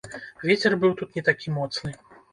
Вецер быў тут не такі моцны.